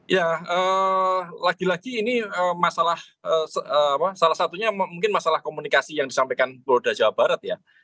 ya lagi lagi ini masalah salah satunya mungkin masalah komunikasi yang disampaikan polda jawa barat ya